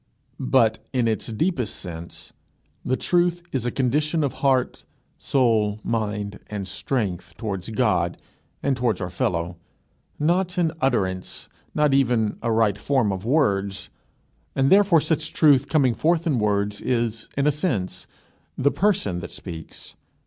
But, in its deepest sense, the truth is a condition of heart, soul, mind, and strength towards God and towards our fellow not an utterance, not even a right form of words; and therefore such truth coming forth in words is, in a sense, the person that speaks.